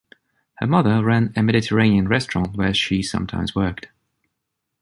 Her mother ran a Mediterranean restaurant where she sometimes worked.